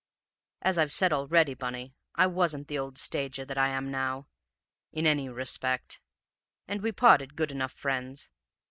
"As I've said already, Bunny, I wasn't the old stager that I am now in any respect and we parted good enough friends.